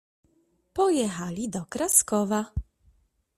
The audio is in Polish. "Pojechali do Kraskowa."